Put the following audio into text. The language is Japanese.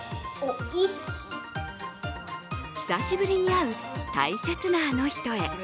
久しぶりに会う大切なあの人へ。